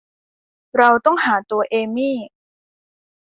เราต้องหาตัวเอมี่